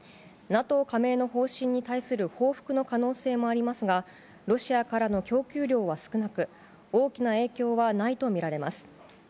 ＮＡＴＯ加盟の方針に対する報復の可能性もありますが、ロシアからの供給量は少なく、大きな影響はないと見られます。